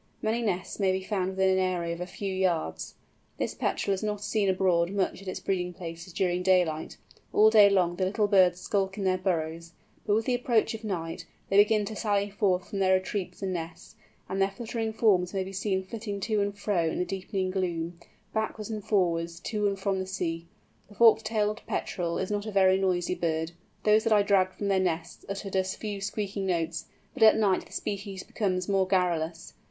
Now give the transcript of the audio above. Many nests may be found within an area of a few yards. This Petrel is not seen abroad much at its breeding places during daylight; all day long the little birds skulk in their burrows, but with the approach of night, they begin to sally forth from their retreats and nests, and their fluttering forms may be seen flitting to and fro in the deepening gloom, backwards and forwards, to and from the sea. The Fork tailed Petrel is not a very noisy bird. Those that I dragged from their nests uttered a few squeaking notes; but at night the species becomes more garrulous.